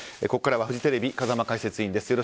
ここからはフジテレビ風間解説委員です。